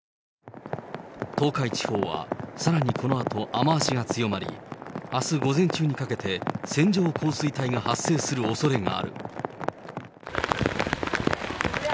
東海地方は、さらにこのあと雨足が強まり、あす午前中にかけて、線状降水帯が発生するおそれがある。